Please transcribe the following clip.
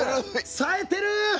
さえてる。